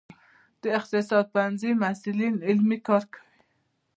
د اقتصاد پوهنځي محصلین عملي کار کوي؟